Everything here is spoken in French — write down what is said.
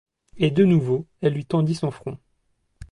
Et de nouveau elle lui tendit son front.